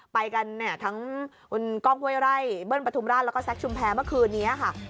ไปกันเนี่ยทั้งคุณก้องห้วยไร่เบิ้ลประทุมราชแล้วก็แซคชุมแพรเมื่อคืนนี้ค่ะ